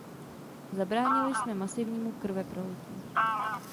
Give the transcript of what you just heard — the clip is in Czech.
Zabránili jsme masivnímu krveprolití.